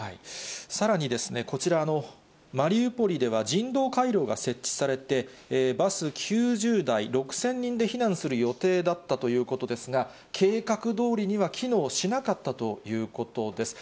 さらにですね、こちら、マリウポリでは、人道回廊が設置されて、バス９０台、６０００人で避難する予定だったということですが、計画どおりには機能しなかったということです。